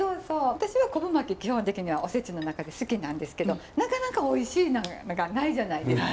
私は昆布巻き基本的にはおせちの中で好きなんですけどなかなかおいしいのがないじゃないですか。